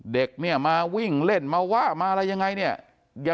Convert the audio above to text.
เด็กเนี่ยมาวิ่งเล่นมาวะมาอะไรยังไงเนี่ย